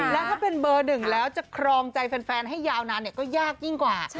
แล้วถ้าเป็นเบอร์หนึ่งแล้วจะครองใจแฟนให้ยาวนานก็ยากยิ่งกว่า